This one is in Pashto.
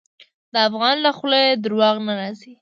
د افغان له خولې دروغ نه راځي.